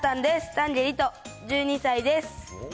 丹下璃音、１２歳です。